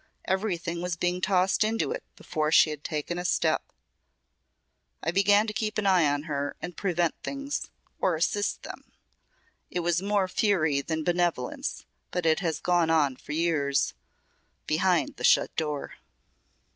Everything was being tossed into it before she had taken a step. I began to keep an eye on her and prevent things or assist them. It was more fury than benevolence, but it has gone on for years behind the shut door."